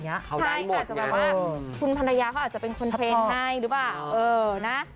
ใช่อาจจะบอกว่าคุณภรรยาเขาอาจจะเป็นคุณเพนต์ให้หรือเปล่าเออนะ